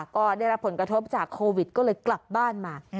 ก็ได้รับผลกระทบจากโควิดก็เลยกลับบ้านมา